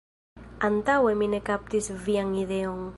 Antaŭe mi ne kaptis vian ideon.